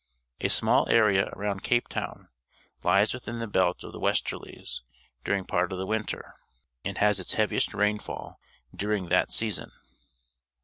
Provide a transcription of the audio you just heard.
A small area around Cape Tow n Ues within the belt of the westerUes dur ing part of the winter, and has its heaviest rainfall during that season.